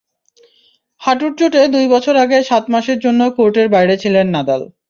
হাঁটুর চোটে দুই বছর আগে সাত মাসের জন্য কোর্টের বাইরে ছিলেন নাদাল।